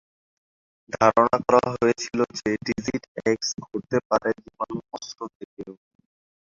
ধারণা করা হয়েছিল যে ডিজিজ এক্স ঘটতে পারে জীবাণু অস্ত্র থেকেও।